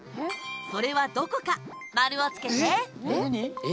それはどこか、丸をつけて。